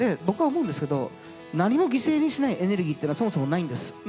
僕は思うんですけど何も犠牲にしないエネルギーっていうのはそもそもないんです。